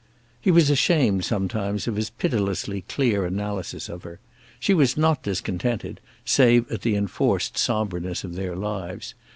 He was ashamed sometimes of his pitilessly clear analysis of her. She was not discontented, save at the enforced somberness of their lives.